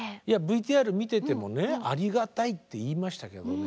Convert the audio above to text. いやＶＴＲ見ててもね「ありがたい」って言いましたけど